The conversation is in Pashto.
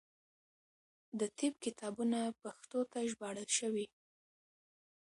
د طب کتابونه پښتو ته ژباړل شوي.